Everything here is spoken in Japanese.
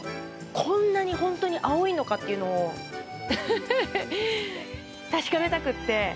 こんなに、ほんとに青いのかというのを確かめたくって。